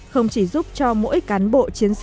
không chỉ giúp cho mỗi cán bộ